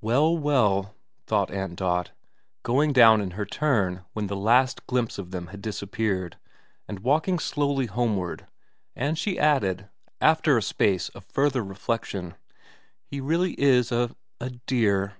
Well, well, thought Aunt Dot, going down in her turn when the last glimpse of them had disappeared, and walking slowly homeward ; and she added, after a space of further reflection, ' He really is a a dear.'